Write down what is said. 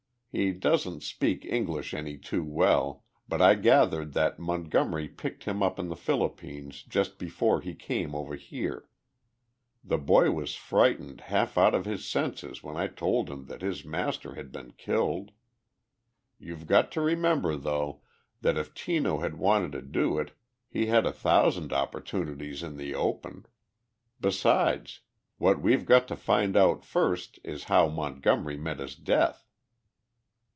He doesn't speak English any too well, but I gathered that Montgomery picked him up in the Philippines just before he came over here. The boy was frightened half out of his senses when I told him that his master had been killed. You've got to remember, though, that if Tino had wanted to do it he had a thousand opportunities in the open. Besides, what we've got to find out first is how Montgomery met his death?"